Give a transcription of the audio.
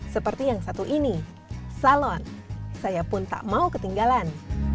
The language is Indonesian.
seperti yang satu ini salon saya pun tak mau ketinggalan